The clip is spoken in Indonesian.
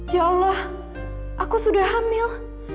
ya allah aku sudah hamil